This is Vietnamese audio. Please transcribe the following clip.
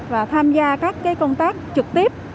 và tham gia các công tác trực tiếp